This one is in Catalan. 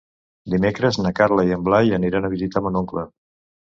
Dimecres na Carla i en Blai aniran a visitar mon oncle.